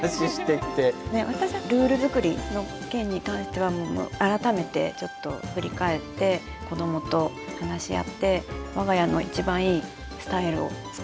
私はルール作りの件に関しては改めてちょっと振り返って子どもと話し合って我が家の一番いいスタイルをつくりたいなと思いました。